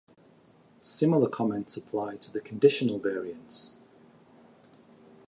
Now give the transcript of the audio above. Similar comments apply to the conditional variance.